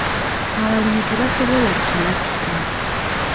Abalimi tebasobola ttulakita.